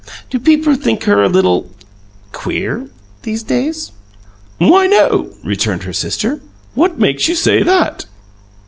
"Do people think her a little queer, these days?" "Why, no," returned her sister. "What makes you say that?"